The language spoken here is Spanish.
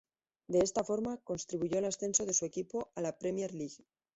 De esta forma contribuyó al ascenso de su equipo a la Premier League.